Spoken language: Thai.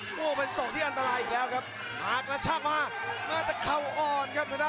แชลเบียนชาวเล็ก